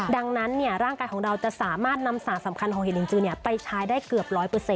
ดังนั้นร่างกายของเราจะสามารถนำสารสำคัญของหินลิงจือไปใช้ได้เกือบ๑๐๐